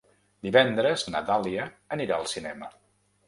Divendres na Dàlia anirà al cinema.